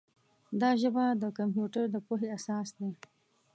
دا ژبه د کمپیوټر د پوهې اساس دی.